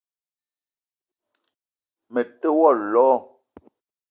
Me te wo lo